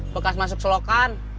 bekas masuk selokan